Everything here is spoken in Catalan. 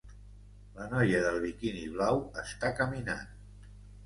La noia del biquini blau està caminant.